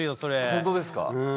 本当ですか？